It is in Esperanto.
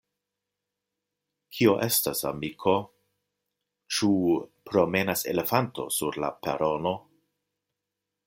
Kio estas, amiko, ĉu promenas elefanto sur la perono?